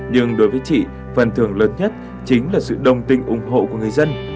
nhưng đối với chị phần thưởng lớn nhất chính là sự đồng tình ủng hộ của người dân